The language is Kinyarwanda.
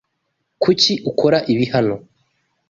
Kuki ukora ibi hano?